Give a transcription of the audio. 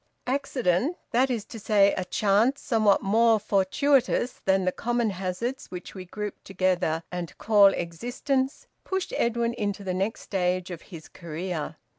Accident that is to say, a chance somewhat more fortuitous than the common hazards which we group together and call existence pushed Edwin into the next stage of his career.